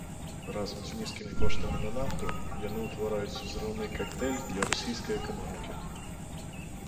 Разам з нізкімі коштамі на нафту яны ўтвараюць узрыўны кактэйль для расійскай эканомікі.